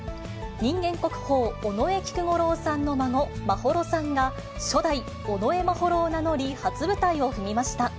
人間国宝、尾上菊五郎さんの孫、眞秀さんが、初代尾上眞秀を名乗り、初舞台を踏みました。